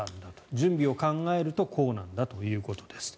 準備を考えるとこうなんだということです。